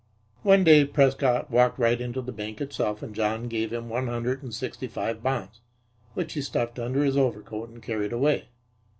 One day Prescott walked right into the bank itself and John gave him one hundred and sixty five bonds, which he stuffed under his overcoat and carried away.